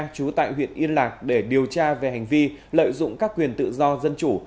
chú tại huyện yên lạc để điều tra về hành vi lợi dụng các quyền tự do dân chủ